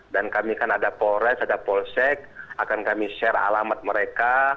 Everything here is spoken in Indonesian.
dan kami kan ada polres ada polsek akan kami share alamat mereka